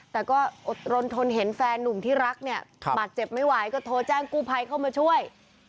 แต่ก็อดรนทนเห็นแฟนนุ่มที่รักเนี่ยบาดเจ็บไม่ไหวก็โทรแจ้งกู้ภัยเข้ามาช่วย